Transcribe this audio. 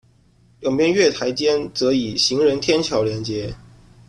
两边月台间则以行人天桥连接。